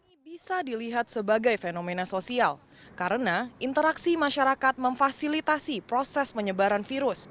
ini bisa dilihat sebagai fenomena sosial karena interaksi masyarakat memfasilitasi proses penyebaran virus